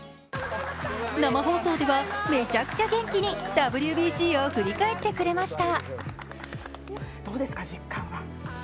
生放送ではめちゃくちゃ元気にＷＢＣを振り返ってくれました。